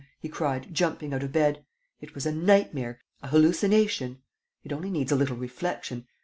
he cried, jumping out of bed. "It was a nightmare, an hallucination. It only needs a little reflection.